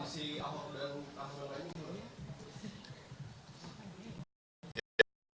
pak kondisi amar dan angga lainnya